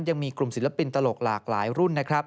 ยังมีกลุ่มศิลปินตลกหลากหลายรุ่นนะครับ